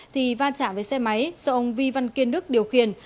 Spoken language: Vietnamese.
thì va chạm với xe máy do ông vi văn kiên đức điều khiển